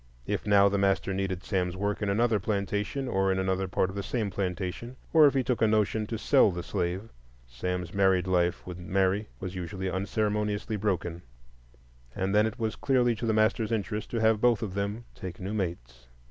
If now the master needed Sam's work in another plantation or in another part of the same plantation, or if he took a notion to sell the slave, Sam's married life with Mary was usually unceremoniously broken, and then it was clearly to the master's interest to have both of them take new mates.